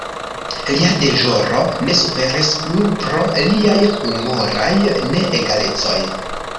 Lia deĵoro ne suferis plu pro liaj humoraj neegalecoj.